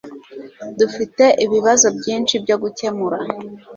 Dufite ibibazo byinshi byo gukemura.